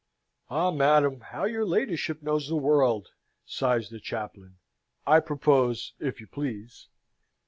"Ah, madam; how your ladyship knows the world!" sighs the chaplain. "I propose, if you please!"